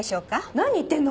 何言ってるの？